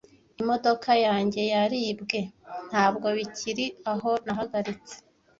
Imodoka yanjye yaribwe. Ntabwo bikiri aho nahagaritse.